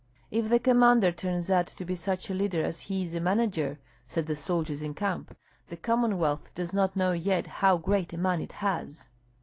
"If the commander turns out to be such a leader as he is a manager," said the soldiers in camp, "the Commonwealth does not know yet how great a man it has."